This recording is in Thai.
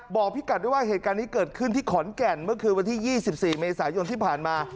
บอกพี่กัดด้วยว่าเหตุการณ์นี้เกิดขึ้นที่ขอนแก่นเมื่อคืนวันที่๒๔เมษายนที่ผ่านมา